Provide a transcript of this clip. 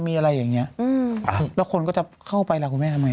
มีอะไรอย่างนี้แล้วคนก็จะเข้าไปหล่ะพี่แม่ทำไงล่ะ